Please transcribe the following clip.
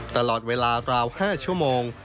ตลอดเวลาราว๕ชั่วโมง